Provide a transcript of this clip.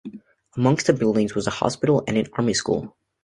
Amongst the buildings was a hospital and an army school.